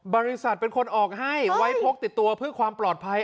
บริษัทเป็นคนออกให้ไว้พกติดตัวเพื่อความปลอดภัย